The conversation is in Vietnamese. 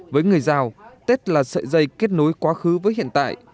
với người giao tết là sợi dây kết nối quá khứ với hiện tại